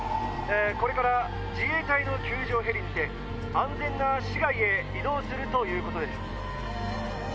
これから自衛隊の救助ヘリにて安全な市外へ移動するということです。